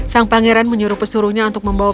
sang pangeran menyuruh pesuruhnya untuk membawa